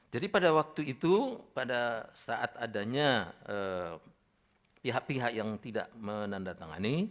jadi pada waktu itu pada saat adanya pihak pihak yang tidak menandatangani